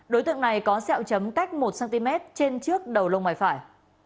đối tượng này có xeo chấm cách một cm trên trước đầu lông mày phải